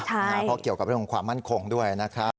เพราะเกี่ยวกับเรื่องของความมั่นคงด้วยนะครับ